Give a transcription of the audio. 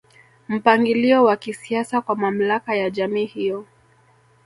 Mpangilio wa kisiasa kwa mamlaka ya jamii hiyo